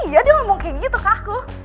iya dia ngomong kayak gitu kak aku